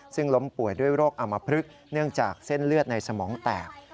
ซึ่งล้มป่วยด้วยโรคอมพลึกเนื่องจากเส้นเลือดในสมองแตก